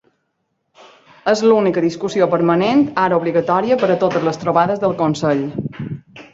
És l'única discussió permanent ara obligatòria per a totes les trobades del Consell.